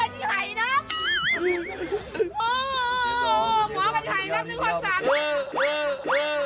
หมอข่าวจิไทยน่ะหนึ่งคนสาม